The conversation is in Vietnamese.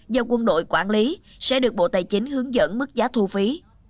do quân đội quản lý sẽ được bộ tài chính hướng dẫn mức giá thu phí